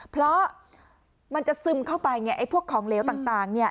เพราะมันจะซึมเข้าไปไงไอ้พวกของเหลวต่างเนี่ย